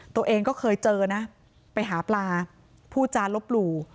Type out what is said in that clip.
ตัวเองก็เคยเจอนะไปหาปลาพูดจานลบหลู่